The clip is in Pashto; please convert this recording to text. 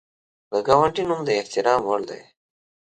د ګاونډي نوم د احترام وړ دی